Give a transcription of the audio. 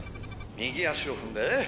右足を踏んで。